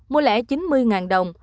mua lẻ chín mươi đồng